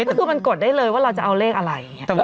ก็คือมันกดได้เลยว่าเราจะเอาเลขอะไร